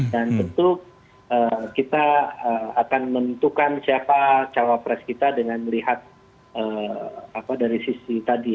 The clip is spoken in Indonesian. dan tentu kita akan menentukan siapa cawapres kita dengan melihat dari sisi tadi